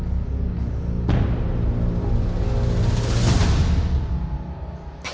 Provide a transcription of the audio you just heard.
เลือกเลือก